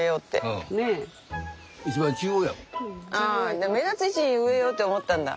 ああじゃあ目立つ位置に植えようって思ったんだ。